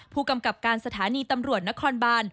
ผู้กำกับการสถานีตำรวจนครบาน